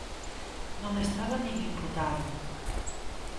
Non estaba nin imputado.